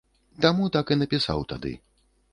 Таму так і напісаў тады.